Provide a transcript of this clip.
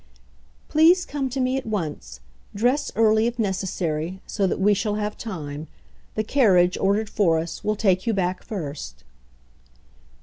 "Please come to me at once; dress early, if necessary, so that we shall have time: the carriage, ordered for us, will take you back first."